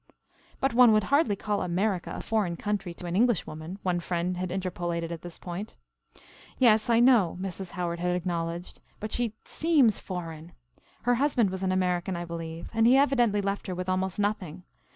"But one would hardly call America a foreign country to an Englishwoman," one friend had interpolated at this point. "Yes, I know," Mrs. Howard had acknowledged, "but she seems foreign. Her husband was an American, I believe, and he evidently left her with almost nothing.